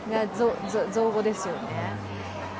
造語ですよね。